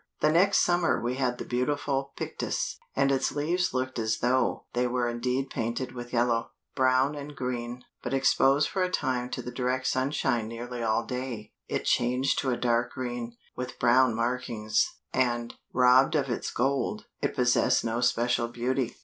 The next summer we had the beautiful Pictus, and its leaves looked as though they were indeed painted with yellow, brown and green, but exposed for a time to the direct sunshine nearly all day, it changed to a dark green, with brown markings, and, robbed of its gold, it possessed no special beauty.